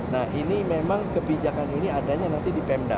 nah ini memang kebijakan ini adanya nanti di pemda